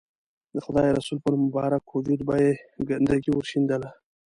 د خدای رسول پر مبارک وجود به یې ګندګي ورشیندله.